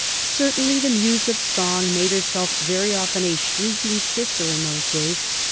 Certainly the Muse of Song made herself very often a shrieking sister in those days.